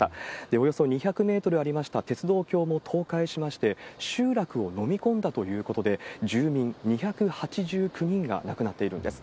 およそ２００メートルありました鉄道橋も倒壊しまして、集落を飲み込んだということで、住民２８９人が亡くなっているんです。